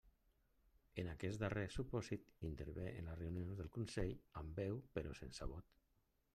En aquest darrer supòsit, intervé en les reunions del Consell amb veu però sense vot.